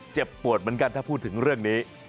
เจ็บปวดเหมือนกันถ้าพูดถึงเรื่องนี้